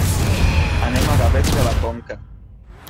Anem a Gavet de la Conca.